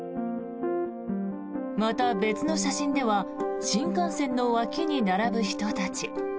また、別の写真では新幹線の脇に並ぶ人たち。